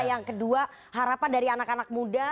yang kedua harapan dari anak anak muda